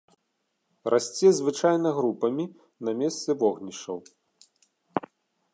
Расце звычайна групамі на месцы вогнішчаў.